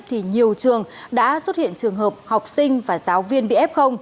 thì nhiều trường đã xuất hiện trường hợp học sinh và giáo viên bị f